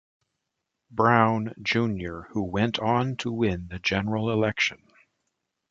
Brown, Junior who went on to win the general election.